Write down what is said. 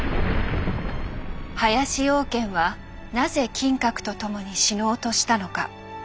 林養賢はなぜ金閣と共に死のうとしたのか。